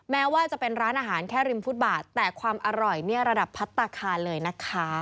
แม้ว่าจะเป็นร้านอาหารแค่ริมฟุตบาทแต่ความอร่อยเนี่ยระดับพัฒนาคารเลยนะคะ